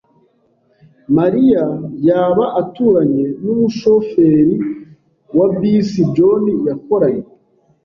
Mariya yaba aturanye numushoferi wa bisi John yakoranye?